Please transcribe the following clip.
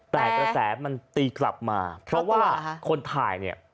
แต่กระแสมันตีกลับมาเพราะว่าคนถ่ายเนี่ย